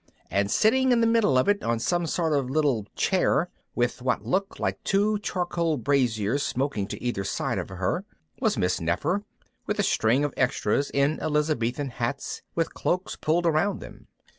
And sitting in the middle of it on some sort of little chair, with what looked like two charcoal braziers smoking to either side of her, was Miss Nefer with a string of extras in Elizabethan hats with cloaks pulled around them.